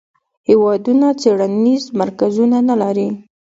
هیوادونه څیړنیز مرکزونه نه لري.